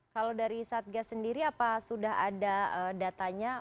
kalau dari satgas sendiri apa sudah ada datanya